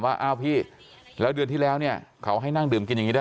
ว่าอ้าวพี่แล้วเดือนที่แล้วเนี่ยเขาให้นั่งดื่มกินอย่างนี้ได้